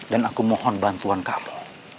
dan aku mohon bantuan kamu